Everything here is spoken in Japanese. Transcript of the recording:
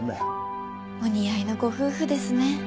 お似合いのご夫婦ですね。